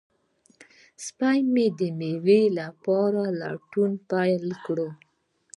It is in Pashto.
سپی مې د مېوې لپاره لټون پیل کړ.